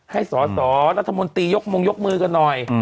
ให้สอสอรัฐมนตรียกมงยกมือกันหน่อย